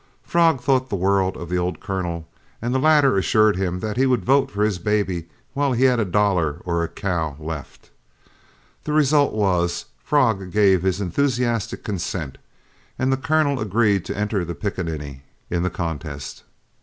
Frog thought the world of the old Colonel, and the latter assured him that he would vote for his baby while he had a dollar or a cow left. The result was, Frog gave his enthusiastic consent, and the Colonel agreed to enter the pickaninny in the contest.